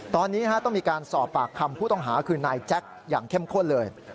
ตอนนี้ต้องมีการสอบปากคำผู้ต้องหาคือนายแจ็คอย่างเข้มข้นเลย